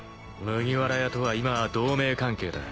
麦わら屋とは今は同盟関係だ。